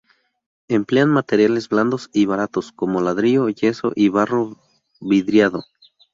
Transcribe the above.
Emplean materiales blandos y baratos como ladrillo, yeso y barro vidriado.